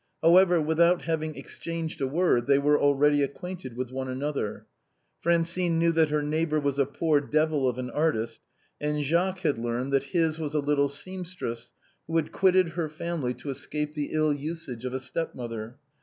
However, without having exchanged a word, they M'ere already acquainted with one another, Francine knew that her neighbor wa? a poor devil of an artist, and Jacques had learned that his was a little seamstress who had quitted her family to escape the ill usage of a stepmother.